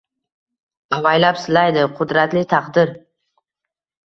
Avaylab silaydi qudratli taqdir.